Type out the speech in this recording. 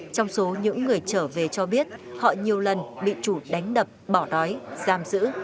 trong số những người trở về cho biết họ nhiều lần bị chủ đánh đập bỏ đói giam giữ